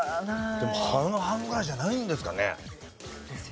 でも半々ぐらいじゃないんですかね。